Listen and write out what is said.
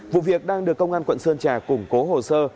vụ việc đang được công an quận sơn trà củng cố hồ sơ